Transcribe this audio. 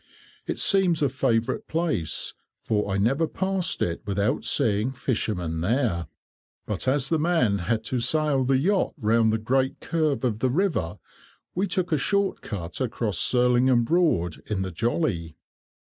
It seems a favourite place, for I never passed it without seeing fishermen there. But as the man had to sail the yacht round the great curve of the river, we took a short cut across Surlingham Broad in the jolly.